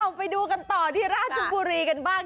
เอาไปดูกันต่อที่ราชบุรีกันบ้าง